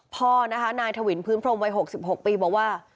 พ่อนะคะนายถวินพื้นพรมวัย๖๖ปีบอกว่า